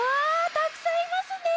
たくさんいますね！